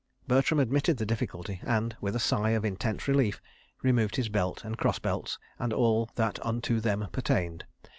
Bertram admitted the difficulty, and, with a sigh of intense relief, removed his belt and cross belts and all that unto them pertained.